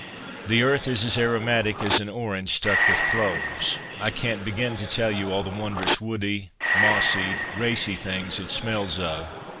The earth is as aromatic as an orange stuck with WITH NATURE 121 cloves ; I can't begin to tell you all the wondrous woody, mossy, racy things it smells of.